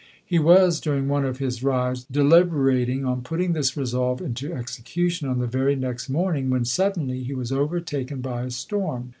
He was, during one of his rides, deliberating on putting this resolve into execution on the very next morning, when suddenly he was overtaken by a storm.